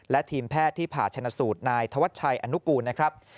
และทีมแพทย์ที่ผ่าชนะสูตรนายธวัชชัยอนุกูลนะครับ